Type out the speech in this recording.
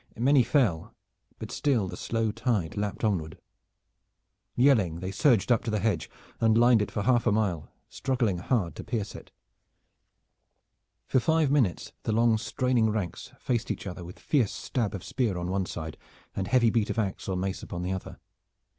Many fell, but still the slow tide lapped onward. Yelling, they surged up to the hedge, and lined it for half a mile, struggling hard to pierce it. For five minutes the long straining ranks faced each other with fierce stab of spear on one side and heavy beat of ax or mace upon the other.